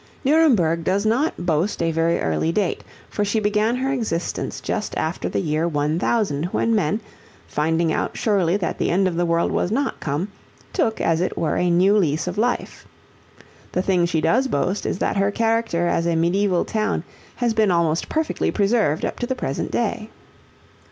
Nuremberg does not boast a very early date, for she began her existence just after the year one thousand when men, finding out surely that the end of the world was not come, took as it were a new lease of life. The thing she does boast is that her character as a mediæval town has been almost perfectly preserved up to the present day.